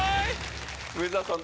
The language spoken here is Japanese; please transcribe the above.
梅澤さん